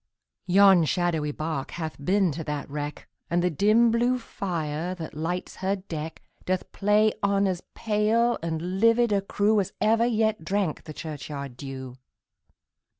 Yon shadowy bark hath been to that wreck, And the dim blue fire, that lights her deck, Doth play on as pale and livid a crew, As ever yet drank the churchyard dew.